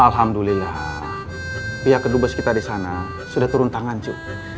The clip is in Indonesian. alhamdulillah pihak kedubes kita disana sudah turun tangan cu